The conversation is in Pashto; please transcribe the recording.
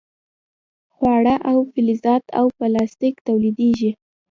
خواړه او فلزات او پلاستیک تولیدیږي.